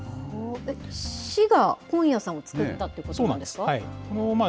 市が本屋さんを作ったということなんですか。